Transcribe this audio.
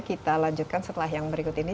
kita lanjutkan setelah yang berikut ini